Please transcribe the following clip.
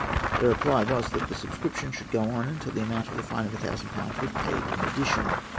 The reply was that the subscription should go on till the amount of the fine of 1000£ was paid in addition.